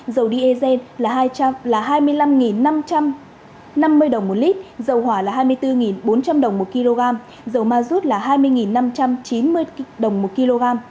dầu diezen là hai mươi năm năm trăm năm mươi đồng một lít dầu hòa là hai mươi bốn bốn trăm linh đồng một kg dầu mazut là hai mươi năm trăm chín mươi đồng một kg